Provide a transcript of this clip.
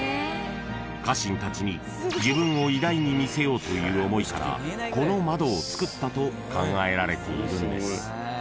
［家臣たちに自分を偉大に見せようという思いからこの窓をつくったと考えられているんです］